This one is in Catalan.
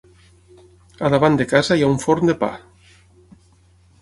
A davant de casa hi ha un forn de pa.